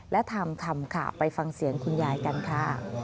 และทำทำค่ะไปฟังเสียงคุณยายกันค่ะ